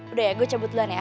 udah ya gue cabut duluan ya